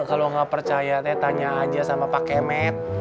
kalau gak percaya teh tanya aja sama pak kemet